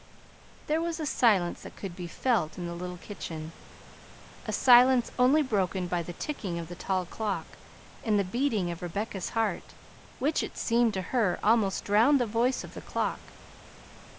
There was a silence that could be felt in the little kitchen; a silence only broken by the ticking of the tall clock and the beating of Rebecca's heart, which, it seemed to her, almost drowned the voice of the clock.